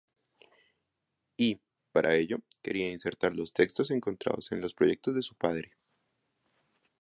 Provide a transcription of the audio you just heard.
Y, para ello, quería insertar los textos encontrados en los proyectos de su padre.